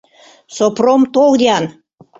Сопром, тол-ян!